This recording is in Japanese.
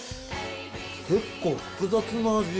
結構、複雑な味。